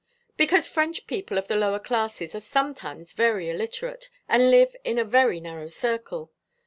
"Because French people of the lower classes are sometimes very illiterate, and live in a very narrow circle.